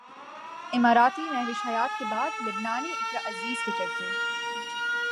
اماراتی مہوش حیات کے بعد لبنانی اقرا عزیز کے چرچے